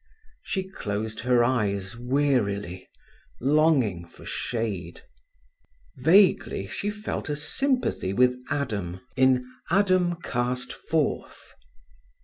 She closed her eyes wearily, longing for shade. Vaguely she felt a sympathy with Adam in "Adam Cast Forth".